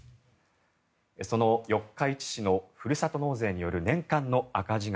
その四日市市のふるさと納税による年間の赤字額